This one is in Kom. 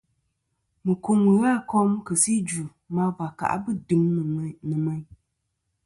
Mukum ghɨ a kom kɨ si idvɨ ma và kà bu dɨm nɨ̀ meyn.